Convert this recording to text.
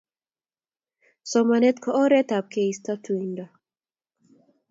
somanet ko oret ap keisto tuindo